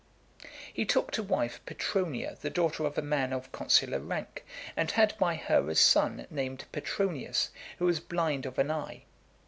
VI. He took to wife Petronia, the daughter of a man of consular rank, and had by her a son named Petronius, who was blind of an eye.